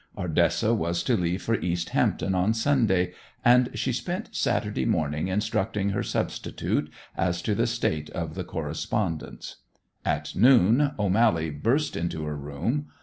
Ardessa was to leave for East Hampton on Sunday, and she spent Saturday morning instructing her substitute as to the state of the correspondence. At noon O'Mally burst into her room.